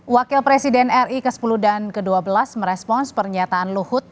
wakil presiden ri ke sepuluh dan ke dua belas merespons pernyataan luhut